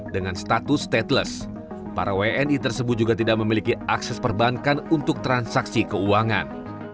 dengan status stateless para wni tersebut juga tidak memiliki akses perbankan untuk transaksi keuangan